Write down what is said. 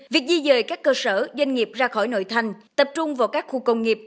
việc di dời các cơ sở doanh nghiệp ra khỏi nội thành tập trung vào các khu công nghiệp